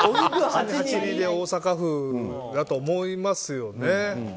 ８：２で大阪府がと思いますよね。